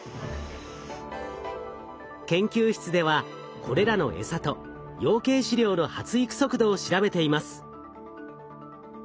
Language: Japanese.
研究室ではこれらのエサと養鶏飼料の発育速度を調べています。